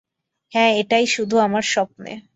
হ্যাঁ, এইটা শুধু আমার স্বপ্নে।